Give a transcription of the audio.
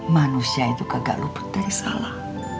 manusia itu kagak luput dari salah